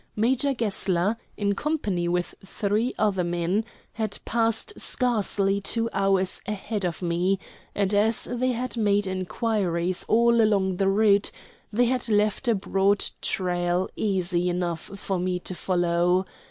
Major Gessler, in company with three other men, had passed scarcely two hours ahead of me, and as they had made inquiries all along the route, they had left a broad trail easy enough for me to follow.